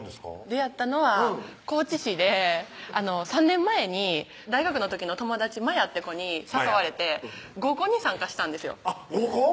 出会ったのは高知市で３年前に大学の時の友達まやって子に誘われて合コンに参加したんですよ合コン？